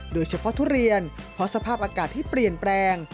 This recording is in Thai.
ทุเรียนเพราะสภาพอากาศที่เปลี่ยนแปลง